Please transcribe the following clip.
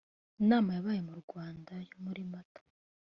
inama yabaye mu Rwanda yo muri Mata